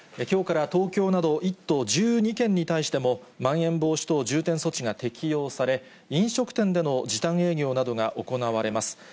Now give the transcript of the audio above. きょうから東京など１都１２県に対しても、まん延防止等重点措置が適用され、飲食店での時短営業などが行われます。